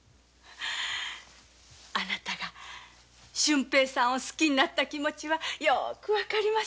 あなたが俊平さんを好きになった気持ちは分かりますよ。